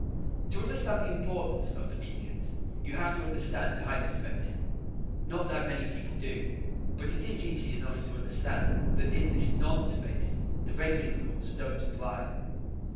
To understand the importance of the beacons, you have to understand hyperspace. Not that many people do, but it is easy enough to understand that in this non space the regular rules don't apply.